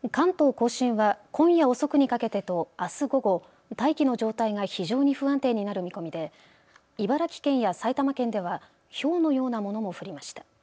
甲信は今夜遅くにかけてとあす午後、大気の状態が非常に不安定になる見込みで茨城県や埼玉県ではひょうのようなものも降りました。